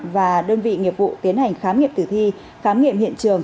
và đơn vị nghiệp vụ tiến hành khám nghiệm tử thi khám nghiệm hiện trường